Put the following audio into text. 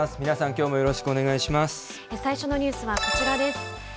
皆さん、最初のニュースはこちらです。